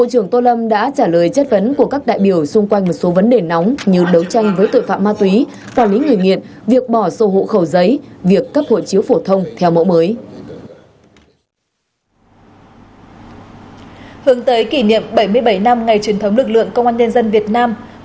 hướng tới kỷ niệm bảy mươi bảy năm ngày truyền thống lực lượng công an nhân dân việt nam